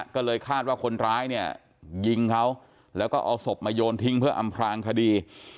ก็เลยคาดว่าคนร้ายเนี่ยยิงเขาแล้วก็เอาศพมาโยนทิ้งเพื่ออำพลางคดี